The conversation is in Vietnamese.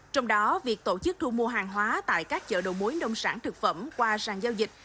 trong đó việc tổ chức thu mua hàng hóa tại các chợ đầu mối nông sản thực phẩm qua sàn giao dịch